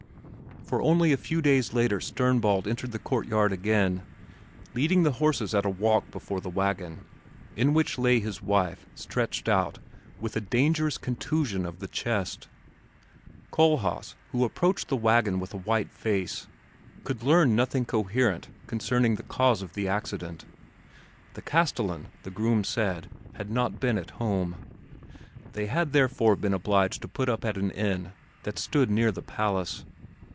For only a few days later Sternbald entered the courtyard again, leading the horses at a walk before the wagon, in which lay his wife, stretched out, with a dangerous contusion of the chest. Kohlhaas, who approached the wagon with a white face, could learn nothing coherent concerning the cause of the accident. The castellan, the groom said, had not been at home; they had therefore been obliged to put up at an inn that stood near the palace.